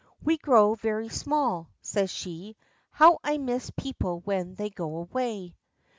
"We grow very small," says she. "How I miss people when they go away."